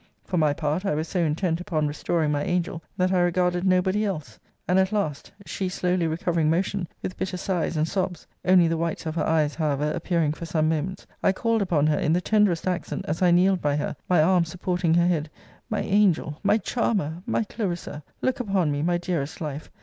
For my part, I was so intent upon restoring my angel, that I regarded nobody else. And, at last, she slowly recovering motion, with bitter sighs and sobs, (only the whites of her eyes however appearing for some moments,) I called upon her in the tenderest accent, as I kneeled by her, my arm supporting her head, My angel! my charmer! my Clarissa! look upon me, my dearest life!